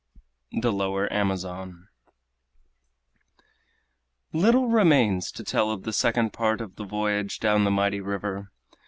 THE LOWER AMAZON Little remains to tell of the second part of the voyage down the mighty river.